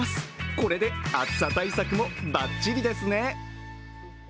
これで暑さ対策もバッチリですね。